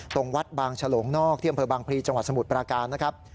ตรงวัดบางฉลงนอกที่อำเภอบางพลีจังหวัดสมุทรปราการนะครับ